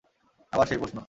আবার সেই প্রশ্ন!